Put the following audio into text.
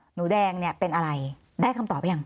หนูแดงเนี่ยเป็นอะไรได้คำตอบหรือยัง